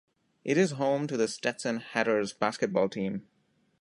It is home to the Stetson Hatters basketball team.